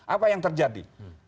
apa yang terjadi